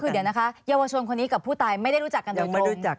คือเดี๋ยวนะคะเยาวชนคนนี้กับผู้ตายไม่ได้รู้จักกันโดยตรง